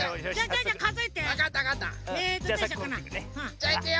じゃあいくよ！